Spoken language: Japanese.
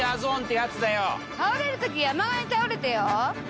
倒れる時山側に倒れてよ。